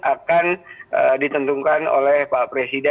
akan ditentukan oleh pak presiden